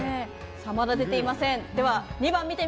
まだ出ていません。